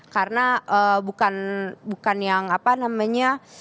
karena bukan yang apa namanya